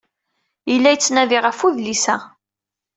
Yella yettnadi ɣef udlis-a.